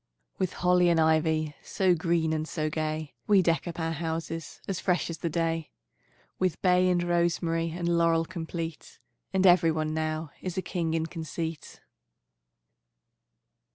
With holly and ivy So green and so gay, We deck up our houses As fresh as the day; With bay and rosemary And laurel complete; And every one now Is a king in conceit.